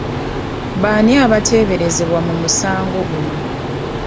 Baani abateeberezebwa mu musango guno?